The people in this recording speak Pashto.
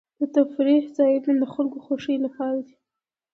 د تفریح ځایونه د خلکو د خوښۍ لپاره دي.